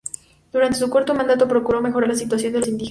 Durante su corto mandato procuró mejorar la situación de los indígenas.